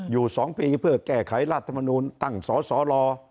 อยู่๒ปีเพื่อแก้ไขรัฐมนูลตั้งสสล